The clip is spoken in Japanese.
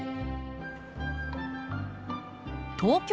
東京